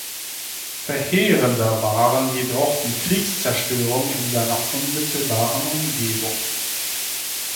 Verheerender waren jedoch die Kriegszerstörungen in seiner unmittelbaren Umgebung.